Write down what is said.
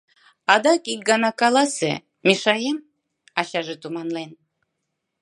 Адак ик гана каласе: мешаем? — ачаже туманлен.